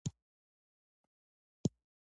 هره ژبه ځان ته مسلکښي ټرمینالوژي لري.